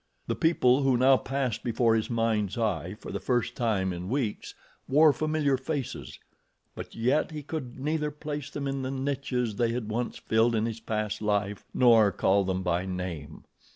The people who now passed before his mind's eye for the first time in weeks wore familiar faces; but yet he could neither place them in the niches they had once filled in his past life, nor call them by name.